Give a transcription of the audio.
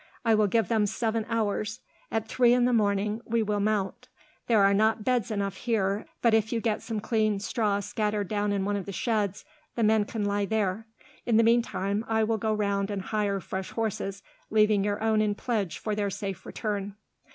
I will give them seven hours. At three in the morning, we will mount. There are not beds enough here, but if you get some clean straw scattered down in one of the sheds, the men can lie there. In the meantime, I will go round and hire fresh horses, leaving your own in pledge for their safe return.